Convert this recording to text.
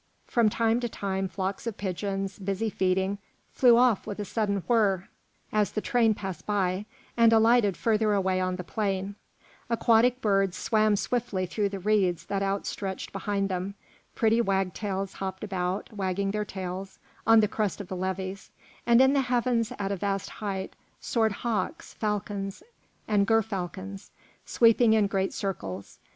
From time to time flocks of pigeons, busy feeding, flew off with a sudden whir as the train passed by, and alighted farther away on the plain; aquatic birds swam swiftly through the reeds that outstretched behind them, pretty wagtails hopped about, wagging their tails, on the crest of the levees; and in the heavens at a vast height, soared hawks, falcons, and gerfalcons, sweeping in great circles.